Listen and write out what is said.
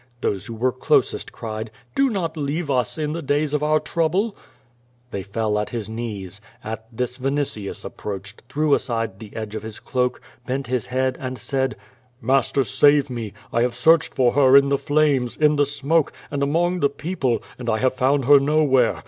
Those who were closest cried, "Do not leave us, in the days of our trouble/' They fell at his knees. At this Vinitius approached, threw aside the edge of his cloak, bent his head, and said: "Master, save me! I have searched for her in the flames, in the smoke, and among the people, and I have found her nowhere.